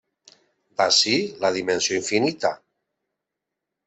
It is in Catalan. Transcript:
D'ací la dimensió infinita.